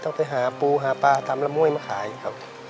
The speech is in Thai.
ต้องไปหาปูหาปลาทำละม่วยมาขายครับ